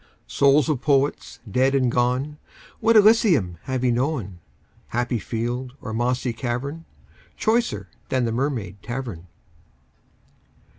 Souls of Poets dead and gone, What Elysium have ye known, Happy field or mossy cavern, Choicer than the Mermaid Tavern?